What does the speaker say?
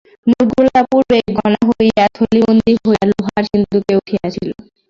নোটগুলা পূর্বেই গনা হইয়া থলিবন্দি হইয়া লোহার সিন্দুকে উঠিয়াছিল।